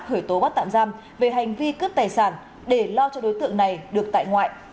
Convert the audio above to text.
khởi tố bắt tạm giam về hành vi cướp tài sản để lo cho đối tượng này được tại ngoại